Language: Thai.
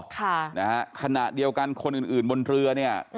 ค่ะนะฮะขณะเดียวกันคนอื่นอื่นบนเรือเนี่ย